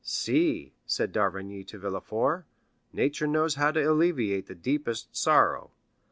"See," said d'Avrigny to Villefort, "nature knows how to alleviate the deepest sorrow.